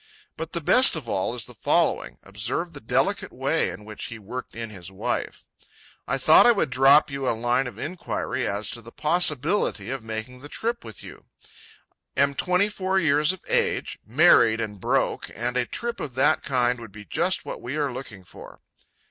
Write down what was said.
But the best of all is the following—observe the delicate way in which he worked in his wife: "I thought I would drop you a line of inquiry as to the possibility of making the trip with you, am 24 years of age, married and broke, and a trip of that kind would be just what we are looking for."